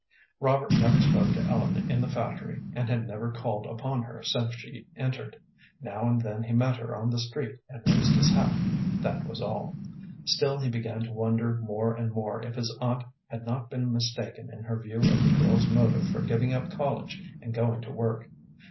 Robert never spoke to Ellen in the factory, and had never called upon her since she entered. Now and then he met her on the street and raised his hat, that was all. Still, he began to wonder more and more if his aunt had not been mistaken in her view of the girl's motive for giving up college and going to work.